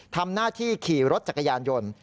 ทำหน้าที่ขี่รถจักรยานยนต์